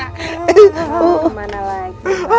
mau kemana lagi